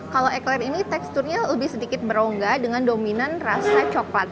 kalau ikhlaq ini teksturnya lebih sedikit berongga dengan dominan rasa coklat